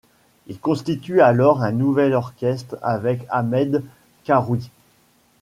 Il constitue alors un nouvel orchestre avec Ahmed Karoui.